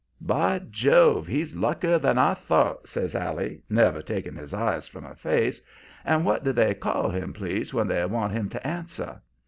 "'By Jove! he's luckier than I thought,' says Allie, never taking his eyes from her face. 'And what do they call him, please, when they want him to answer?'